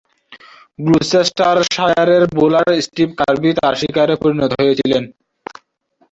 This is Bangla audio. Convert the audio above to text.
গ্লুচেস্টারশায়ারের বোলার স্টিভ কার্বি তার শিকারে পরিণত হয়েছিলেন।